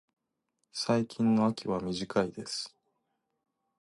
最近の秋は短いです。